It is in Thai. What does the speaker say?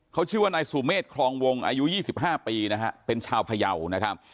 เขาชื่อว่านายสุเมฆคลองวงอายุ๒๕ปีนะฮะเป็นชาวพยาวนะครับ